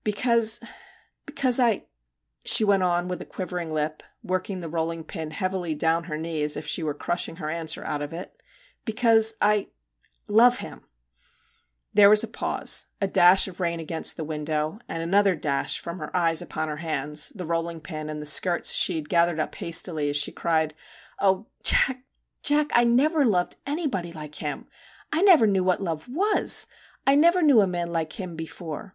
' Because because I,' she went on with a quivering lip, working the rolling pin heavily down her knee as if she were crushing her answer out of it ' because I love him !' There was a pause, a dash of rain against the window, and another dash from her eyes MR. JACK HAMLIN'S MEDIATION 27 upon her hands, the rolling pin, and the skirts she had gathered up hastily as she cried, ' O Jack! Jack! I never loved anybody like him! I never knew what love was ! I never knew a man like him before